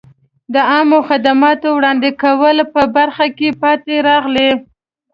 د عامه خدماتو وړاندې کولو په برخه کې پاتې راغلي.